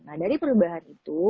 nah dari perubahan itu